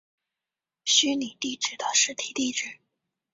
虚拟地址的实体地址。